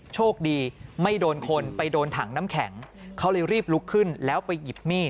โชคดีไม่โดนคนไปโดนถังน้ำแข็งเขาเลยรีบลุกขึ้นแล้วไปหยิบมีด